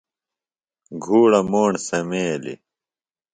گُھوڑہ موݨ سمیلیۡ۔